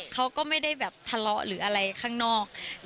เขาก็ไม่ได้แบบทะเลาะหรืออะไรข้างนอก